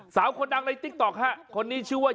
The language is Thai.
สาวคนดังในติ๊กต๊อกฮะคนนี้ชื่อว่า